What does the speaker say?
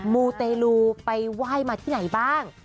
มูเตลูไปไหว้มาที่ไหนบ้าง